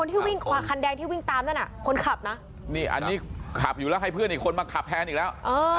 ที่วิ่งคันแดงที่วิ่งตามนั่นน่ะคนขับนะนี่อันนี้ขับอยู่แล้วให้เพื่อนอีกคนมาขับแทนอีกแล้ว